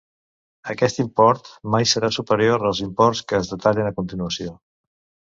Aquest import mai serà superior als imports que es detallen a continuació.